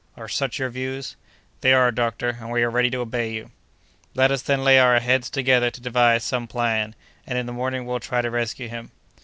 Are such your views?" "They are, doctor, and we are ready to obey you." "Let us, then, lay our heads together to devise some plan, and in the morning we'll try to rescue him."